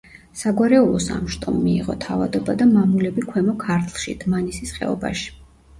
საგვარეულოს ამ შტომ მიიღო თავადობა და მამულები ქვემო ქართლში, დმანისის ხეობაში.